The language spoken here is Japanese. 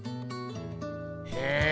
へえ。